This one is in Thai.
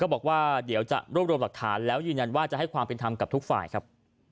บอกว่าเดี๋ยวจะรวบรวมหลักฐานแล้วยืนยันว่าจะให้ความเป็นธรรมกับทุกฝ่ายครับ